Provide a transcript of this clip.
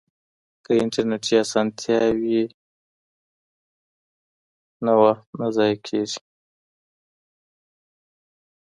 که انټرنیټي اسانتیا وي نو وخت نه ضایع کیږي.